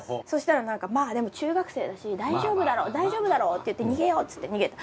そうしたらまあ中学生だし大丈夫だろう大丈夫だろうって言って逃げようって。